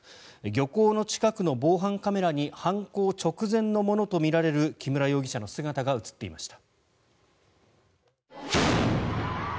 漁港の近くの防犯カメラに犯行直前のものとみられる木村容疑者の姿が映っていました。